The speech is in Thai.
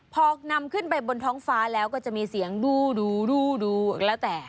พอนำขึ้นไปบนท้องฟ้าแล้วก็จะมีเสียงดูแล้วแต่